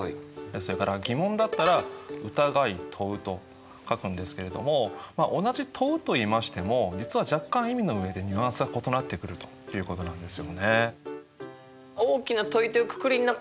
それから疑問だったら疑い問うと書くんですけれども同じ問うといいましても実は若干意味の上でニュアンスが異なってくるということなんですよね。